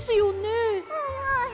うんうん。